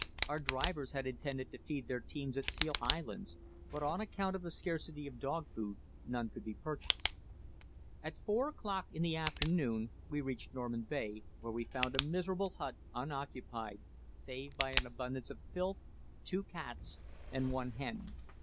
Our drivers had intended to feed their teams at Seal Islands, but on account of the scarcity of dog food none could be purchased. At four o'clock in the afternoon we reached Norman Bay, where we found a miserable hut unoccupied save by an abundance of filth, two cats, and one hen.